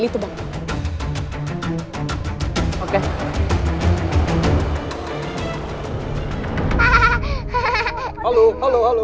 di sini kalo aku bisa kasihan dari ratu